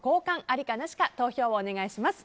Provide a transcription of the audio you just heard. ありか、なしか投票をお願いします。